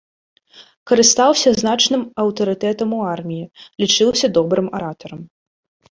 Карыстаўся значным аўтарытэтам у арміі, лічыўся добрым аратарам.